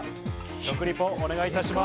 食リポ、お願いいたします。